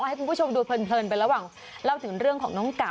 ให้คุณผู้ชมดูเพลินไประหว่างเล่าถึงเรื่องของน้องกะ